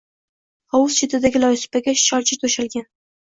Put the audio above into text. Hovuz chetidagi loysupaga sholcha to‘shalgan.